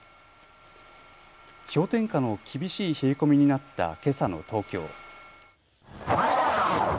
氷点下の厳しい冷え込みになったけさの東京。